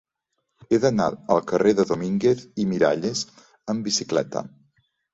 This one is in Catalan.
He d'anar al carrer de Domínguez i Miralles amb bicicleta.